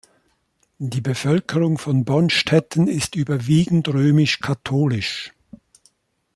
Die Bevölkerung von Bonstetten ist überwiegend römisch-katholisch.